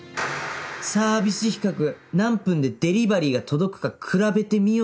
「サービス比較！何分でデリバリーが届くか比べてみよう！」